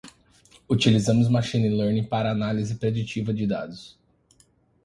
Utilizamos Machine Learning para análise preditiva de dados.